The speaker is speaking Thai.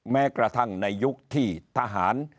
แม้กระทั่งในยุคที่ทหาร